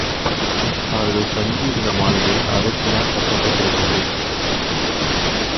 அவர்கள் தங்கி இருந்த மாளிகை அரக்கினால் கட்டப் பட்டிருந்தது.